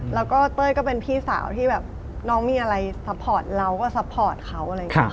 แล้วก็เต้ยก็เป็นพี่สาวที่แบบน้องมีอะไรซัพพอร์ตเราก็ซัพพอร์ตเขาอะไรอย่างนี้